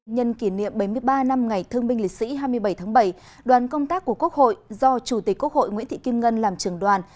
nhân kỷ niệm bảy mươi ba năm ngày thương binh lịch sĩ hai mươi bảy tháng bảy đoàn công tác của quốc hội do chủ tịch quốc hội nguyễn thị kim ngân làm trường đoàn